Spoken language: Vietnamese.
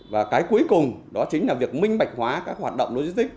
và cái cuối cùng đó chính là việc minh bạch hóa các hoạt động logistics